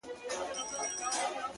دا موږک چي ځانته ګرځي بې څه نه دی,